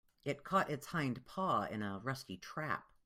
It caught its hind paw in a rusty trap.